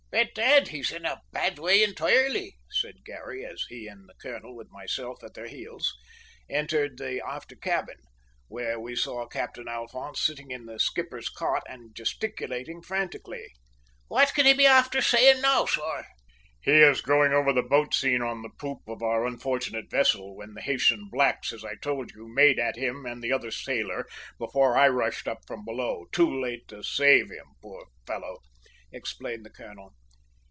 "Bedad, he's in a bad way entoirely!" said Garry, as he and the colonel, with myself at their heels, entered the after cabin, where we saw Captain Alphonse sitting up in the skipper's cot, and gesticulating frantically. "What can he be after sayin' now, sor?" "He is going over the boat scene on the poop of our unfortunate vessel, when the Haytian blacks, as I told you, made at him and the other sailor before I rushed up from below, too late to save him, poor fellow!" explained the colonel.